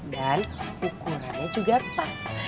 dan ukurannya juga pas